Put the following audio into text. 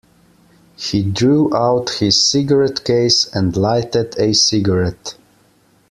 He drew out his cigarette-case and lighted a cigarette.